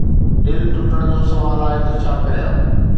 دل ٽٽڻ جو سوال آهي ته ”ڇا ڪريان؟